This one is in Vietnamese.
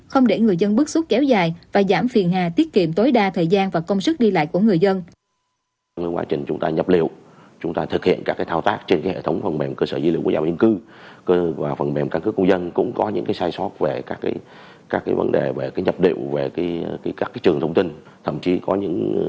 không để người dân bức xúc kéo dài và giảm phiền hà tiết kiệm tối đa thời gian và công sức đi lại của người dân